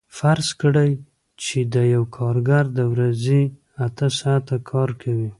فرض کړئ چې یو کارګر د ورځې اته ساعته کار کوي